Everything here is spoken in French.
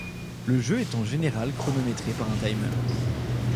Le jeu est en général chronométré par un timer.